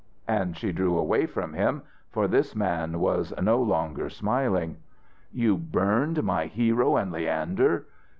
And she drew away from him, for this man was no longer smiling. "You burned my 'Hero and Leander'!